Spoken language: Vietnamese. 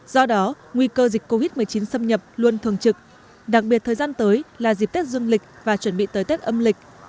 do đó nguy cơ dịch covid một mươi chín xâm nhập luôn thường trực đặc biệt thời gian tới là dịp tết dương lịch và chuẩn bị tới tết âm lịch